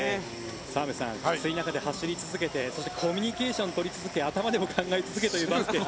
澤部さんきつい中で走り続けてコミュニケーションを取り続け頭でも考え続けというバスケ。